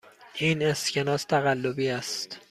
این اسکناس تقلبی است.